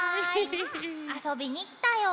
あそびにきたよ。